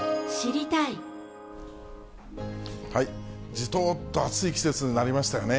じとーっと暑い季節になりましたよね。